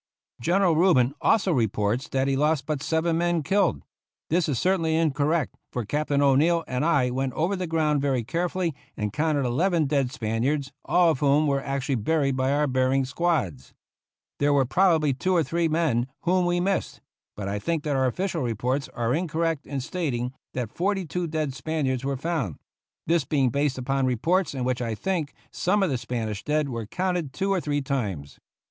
General Rubin also reports that he lost but seven men killed. This is certainly incorrect, for Captain O'Neill and I went over the ground very carefully and counted eleven dead Spaniards, all of whom were actually buried by our burying squads. There were probably two or three men whom we missed, but I think that our official re ports are incorrect in stating that forty two dead Spaniards were found ; this being based upon re ports in which I think some of the Spanish dead GENERAL YOUNG'S FIGHT were counted two or three times.